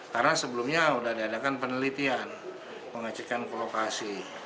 karena sebelumnya sudah diadakan penelitian pengecekan ke lokasi